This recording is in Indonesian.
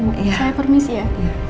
saya permisi ya